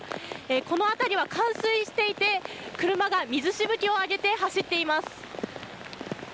この辺りは冠水していて車が水しぶきを上げて走っています。